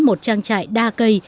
một trang trại đa cây